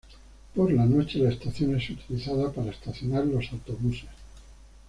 Por la noche, la estación es utilizada para estacionar los autobuses.